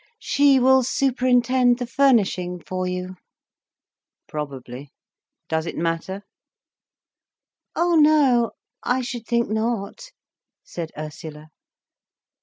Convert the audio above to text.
"She will superintend the furnishing for you." "Probably. Does it matter?" "Oh no, I should think not," said Ursula.